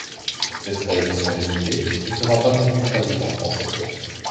Cette réédition limitée ne sera pas non plus traduite en français.